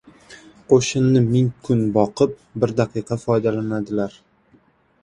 • Qo‘shinni ming kun boqib, bir daqiqa foydalanadilar.